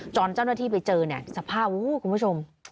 เจ้าหน้าที่ไปเจอเนี่ยสภาพคุณผู้ชม